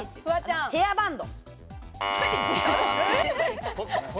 ヘアバンド。